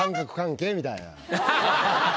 みたいな。